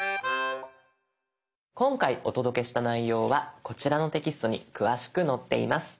今回お届けした内容はこちらのテキストに詳しく載っています。